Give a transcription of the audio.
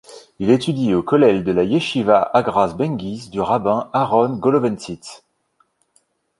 Il étudie au Collel de la yechiva Hagraz Benguis du rabbin Aaron Goloventsits.